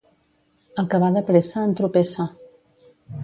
El que va de pressa, entropessa.